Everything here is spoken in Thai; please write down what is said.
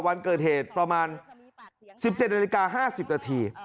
วันเกิดเหตุประมาณสิบเจ็ดนาฬิกาห้าสิบนาที